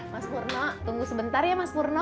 mas purno tunggu sebentar ya mas purno